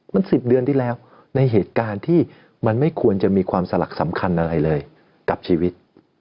มัน๑๐เดือนที่แล้วในเหตุการณ์ที่มันไม่ควรจะมีความสลักสำคัญอะไรเลยกับชีวิต